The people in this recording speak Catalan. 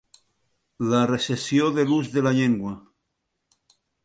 La recessió de l'ús de la llengua.